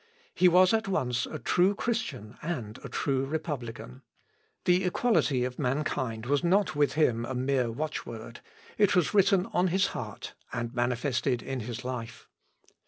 He was at once a true Christian and a true republican. The equality of mankind was not with him a mere watchword; it was written on his heart and manifested in his life.